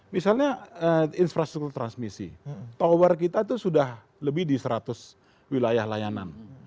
misalnya infrastruktur transmisi tower kita itu sudah lebih di seratus wilayah layanan